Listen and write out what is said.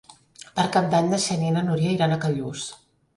Per Cap d'Any na Xènia i na Núria iran a Callús.